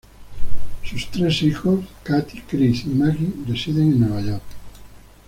Sus tres hijos Katie, Chris, y Maggie residen en Nueva York.